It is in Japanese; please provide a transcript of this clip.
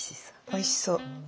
おいしそう。